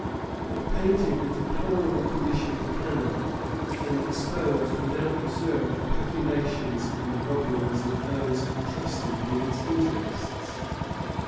It painted the deplorable condition of Canada, and exposed without reserve the peculations and robberies of those intrusted with its interests.